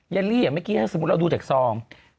เลลี่อย่างเมื่อกี้ถ้าสมมุติเราดูจากซอง